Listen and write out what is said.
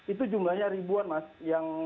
itu jumlahnya ribuan mas